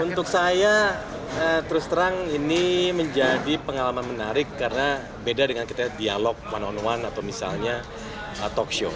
untuk saya terus terang ini menjadi pengalaman menarik karena beda dengan kita dialog one on one atau misalnya talk show